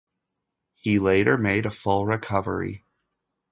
He later made a full recovery.